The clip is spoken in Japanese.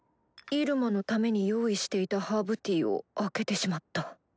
イルマのために用意していたハーブティーを開けてしまった。